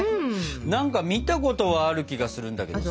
何か見たことはある気がするんだけどさ